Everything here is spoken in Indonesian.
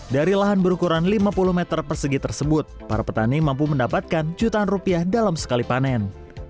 dari lahan berukuran lima puluh meter persegi tersebut para petani mampu mendapatkan jutaan rupiah dalam sekali panen